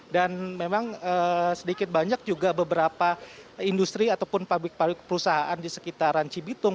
dan memang sedikit banyak juga beberapa industri ataupun pabrik pabrik perusahaan di sekitaran cibitung